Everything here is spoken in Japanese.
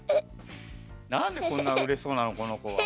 なんでこんなうれしそうなのこのこは。